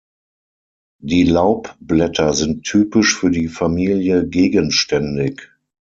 Die Laubblätter sind typisch für die Familie gegenständig.